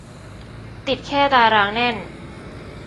ติดแค่ตารางแน่น